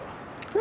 何？